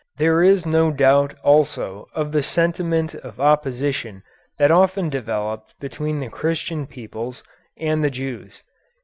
There is no doubt also of the sentiment of opposition that often developed between the Christian peoples and the Jews.